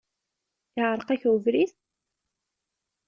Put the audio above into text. Iεreq-ak ubrid?